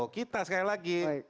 kita sekali lagi